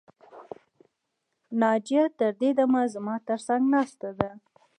ناجیه تر دې دمه زما تر څنګ ناسته ده